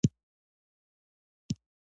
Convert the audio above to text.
• دا قوم د خپلو دودونو ارزښت پېژني.